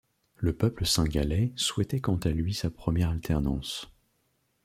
Le peuple cingalais souhaitait quant à lui sa première alternance.